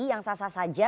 yang sah sah saja